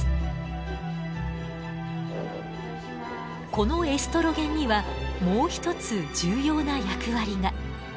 このエストロゲンにはもう一つ重要な役割が。